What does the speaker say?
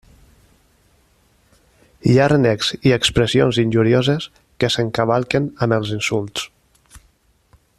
Hi ha renecs i expressions injurioses que s'encavalquen amb els insults.